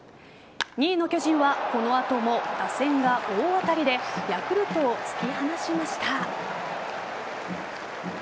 ２位の巨人はこの後も打線が大当たりでヤクルトを突き放しました。